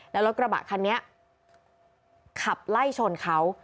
แล้วรถกระบะคันนี้ขับไล่ชนเขา